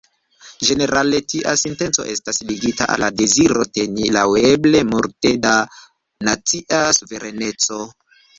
Ĝenerale tia sinteno estas ligita al la deziro teni laŭeble multe da nacia suvereneco.